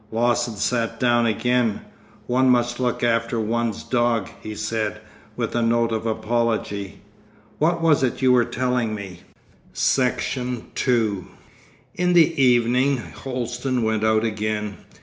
Lawson sat down again. 'One must look after one's dog,' he said, with a note of apology. 'What was it you were telling me?' Section 2 In the evening Holsten went out again.